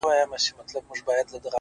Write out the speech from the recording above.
څه وکړمه لاس کي مي هيڅ څه نه وي؛